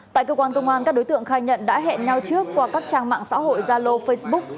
tại cơ quan công an các đối tượng khai nhận đã hẹn nhau trước qua các trang mạng xã hội zalo facebook